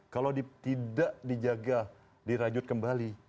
kalau tidak dijaga dirajut kembali